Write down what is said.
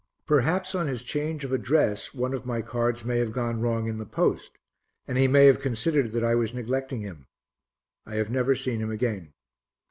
Perhaps on his change of address one of my cards may have gone wrong in the post, and he may have considered that I was neglecting him. I have never seen him again.